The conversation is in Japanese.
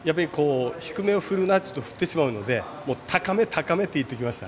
低めを振るなというと振ってしまうので高め、高めって言っておきました。